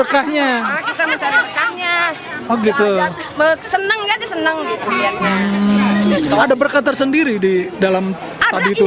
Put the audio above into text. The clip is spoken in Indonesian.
kalau ada berkah tersendiri di dalam tadi itu